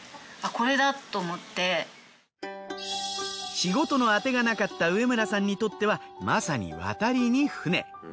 仕事のあてがなかった植村さんにとってはまさに渡りに船。